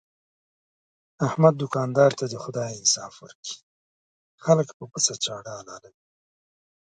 احمد دوکاندار ته دې خدای انصاف ورکړي، خلک په پڅه چاړه حلالوي.